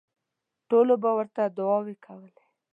ټولو به ورته دوعاوې کولې.